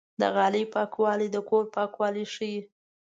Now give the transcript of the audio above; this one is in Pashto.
د غالۍ پاکوالی د کور پاکوالی ښيي.